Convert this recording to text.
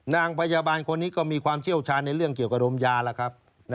นางพยาบาลคนนี้ก็มีความเชี่ยวชาญในเรื่องเกี่ยวกับดมยาแล้วครับ